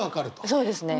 そうですね。